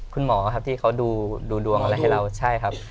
คุณหมอครับที่เขาดูดวงอะไรให้เราใช่ครับ